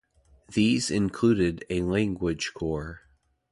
These include a language core